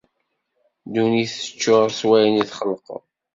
Ddunit teččur s wayen i d-txelqeḍ!